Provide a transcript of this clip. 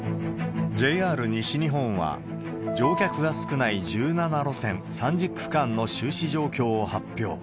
ＪＲ西日本は、乗客が少ない１７路線３０区間の収支状況を発表。